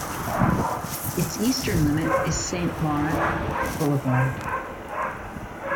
Its eastern limit is Saint Laurent Boulevard.